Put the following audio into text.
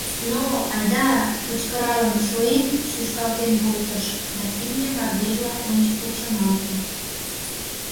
— Но, айда-а! — кычкыралын, шои-ик! шӱшкалтен колтыш, да имне мардежла ончыко чымалте.